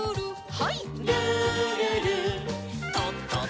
はい。